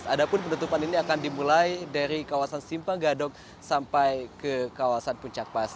adapun penutupan ini akan dimulai dari kawasan simpang gadok sampai ke kawasan puncak pas